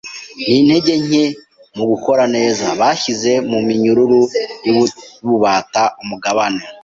n’intege nke mu gukora neza, byashyize mu minyururu y’ububata umugabane